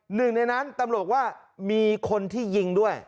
หนึ่งในนั้นตำรวจว่ามีคนที่ยิงด้วย